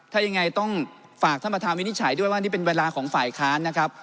ถ้ายังไงต้องฝากท่านประธานวินิจฉัยด้วยว่านี่เป็นเวลาของฝ่ายค้านนะครับ